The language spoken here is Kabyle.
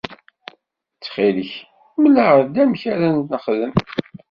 Ttxil-k mel-aɣ-d amek ara t-nexdem.